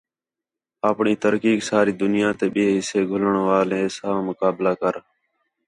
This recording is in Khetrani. اَپݨی ترقیک ساری دُنیا تے ٻئے حِصّہ گھولݨ والیں ساں مقابلہ کر۔